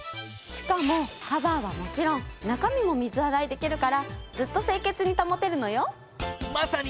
しかもカバーはもちろん中身も水洗いできるからずっと清潔に保てるのよ。